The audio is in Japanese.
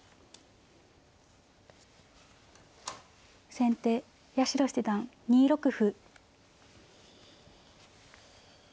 先手八代七段２六歩。